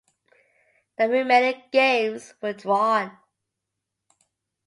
The remaining games were drawn.